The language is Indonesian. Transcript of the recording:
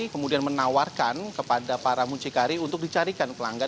kemudian menawarkan kepada para mucikari untuk dicarikan pelanggan